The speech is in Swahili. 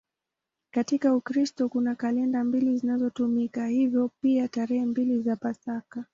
Katika Ukristo kuna kalenda mbili zinazotumika, hivyo pia tarehe mbili za Pasaka.